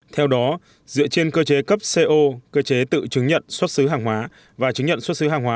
theo đó dựa trên cơ chế cấp co cơ chế tự chứng nhận xuất xứ hàng hóa và chứng nhận xuất xứ hàng hóa